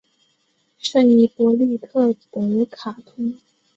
圣伊波利特德卡通。